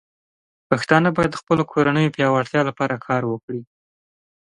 پښتانه بايد د خپلو کورنيو پياوړتیا لپاره کار وکړي.